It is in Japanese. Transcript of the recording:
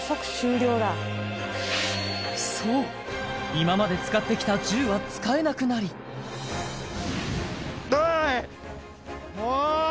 今まで使ってきた銃は使えなくなりもう！